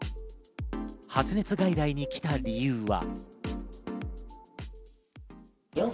発熱外来に来た理由は。